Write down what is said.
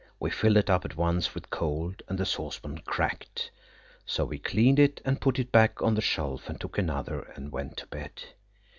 We filled it up at once with cold, and the saucepan cracked. So we cleaned it and put it back on the shelf and took another and went to bed.